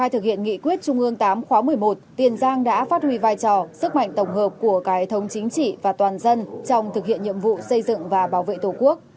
tuyết trung ương tám khóa một mươi một tiền giang đã phát huy vai trò sức mạnh tổng hợp của cái thống chính trị và toàn dân trong thực hiện nhiệm vụ xây dựng và bảo vệ tổ quốc